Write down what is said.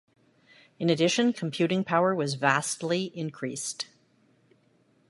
In addition, computing power was vastly increased.